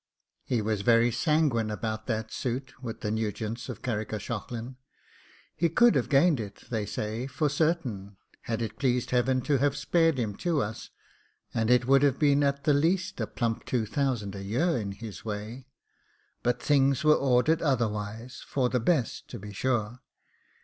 He was very sanguine about that suit with the Nugents of Carrickashaughlin. He could have gained it, they say, for certain, had it pleased Heaven to have spared him to us, and it would have been at the least a plump two thousand a year in his way; but things were ordered otherwise for the best to be sure.